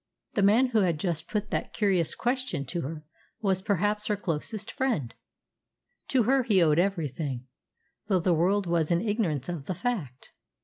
The man who had just put that curious question to her was perhaps her closest friend. To her he owed everything, though the world was in ignorance of the fact.